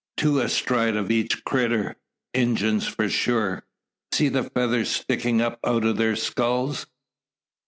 "Two astride o' each critter. Injuns, for sure. See the feathers stickin' up out o' their skulls!